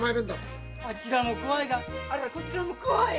あちらも怖いがこちらも怖い！